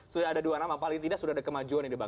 sudah ada dua nama paling tidak sudah ada kemajuan